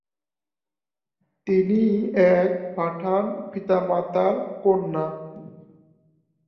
তিনি এক পাঠান পিতামাতার কন্যা।